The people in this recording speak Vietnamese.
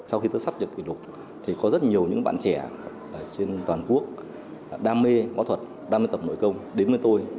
sau khi tôi xác nhập kỷ lục thì có rất nhiều những bạn trẻ trên toàn quốc đam mê bác thuật đam mê tập nội công đến với tôi